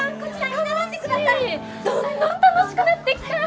どんどん楽しくなってきた！